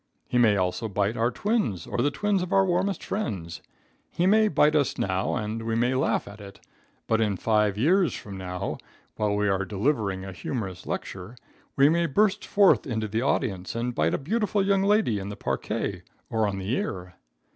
He may also bite our twins or the twins of our warmest friends. He may bite us now and we may laugh at it, but in five years from now, while we are delivering a humorous lecture, we may burst forth into the audience and bite a beautiful young lady in the parquet or on the ear.